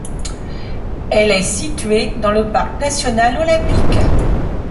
Elle est située dans le parc national Olympique.